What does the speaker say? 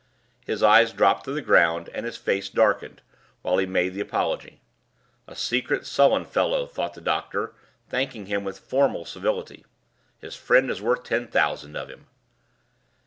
His eyes dropped to the ground, and his face darkened, while he made the apology. "A secret, sullen fellow," thought the doctor, thanking him with formal civility; "his friend is worth ten thousand of him."